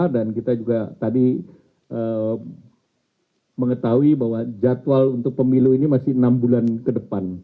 kita juga tadi mengetahui bahwa jadwal untuk pemilu ini masih enam bulan ke depan